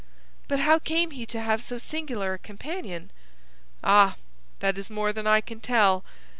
"But how came he to have so singular a companion?" "Ah, that is more than I can tell.